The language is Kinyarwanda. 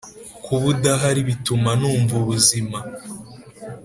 kuba udahari bituma numva ubuzima,